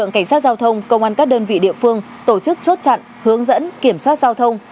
cảnh sát giao thông công an các đơn vị địa phương tổ chức chốt chặn hướng dẫn kiểm soát giao thông